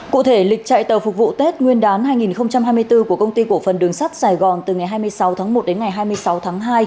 cụ thể lịch chạy tàu phục vụ tết nguyên đán hai nghìn hai mươi bốn của công ty cổ phần đường sắt sài gòn từ ngày hai mươi sáu tháng một đến ngày hai mươi sáu tháng hai